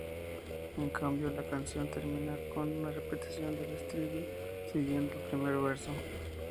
En cambio, la canción termina con una repetición del estribillo siguiendo el primer verso.